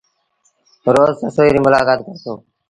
روز سسئيٚ ريٚ ملآڪآت ڪرتو۔